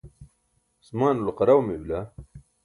asmaanulo qaraw mey bila